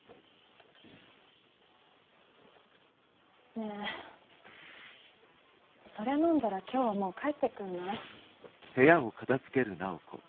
ねえそれ飲んだら今日はもう帰ってくんない？